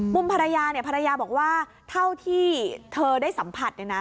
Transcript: ภรรยาภรรยาบอกว่าเท่าที่เธอได้สัมผัส